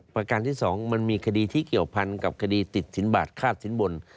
พาการที่สองมันมีคดีที่เกี่ยวกับคดีติดสินบัตรฆาตสินบน